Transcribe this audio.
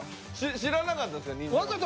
知らなかったですか？